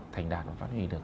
thành đạt và phát huy được